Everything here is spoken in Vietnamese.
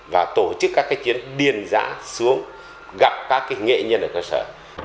và tổ chức các chiến điền giã xuống gặp các nghệ nhân ở cơ sở